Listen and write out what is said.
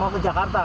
mau ke jakarta